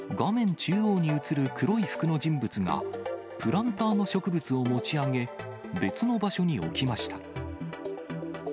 中央に写る黒い服の人物が、プランターの植物を持ち上げ、別の場所に置きました。